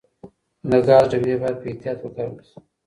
د ګاز ډبې باید په احتیاط وکارول شي.